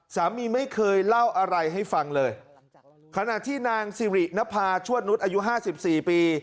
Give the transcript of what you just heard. สามีไม่เคยเล่าอะไรให้ฟังเลยขณะที่นางสิรินภาชวดนุษย์อายุห้าสิบสี่ปี